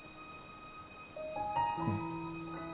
うん。